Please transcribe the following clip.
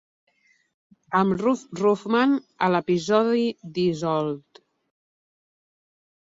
Amb Ruff Ruffman" a l'episodi "This Old...